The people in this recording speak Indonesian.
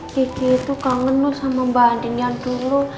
kiki tuh kangen loh sama mbak andin yang dulu